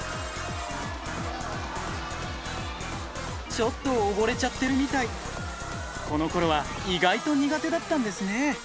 ちょっと溺れちゃってるみたいこの頃は意外と苦手だったんですね